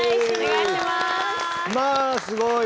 まあすごい！